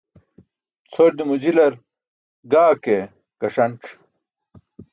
Cʰordimo jilar gaa ke gaṣanc̣.